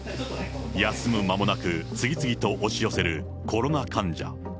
休む間もなく、次々と押し寄せるコロナ患者。